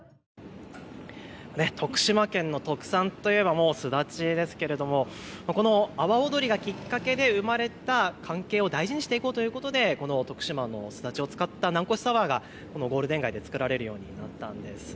徳島県の特産といえばすだちですが阿波踊りがきっかけで生まれた関係を大事にしていこうということで徳島のすだちを使った南越サワーがゴールデン街で作られるようになったんです。